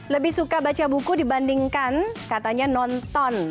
lebih suka baca buku dibandingkan katanya nonton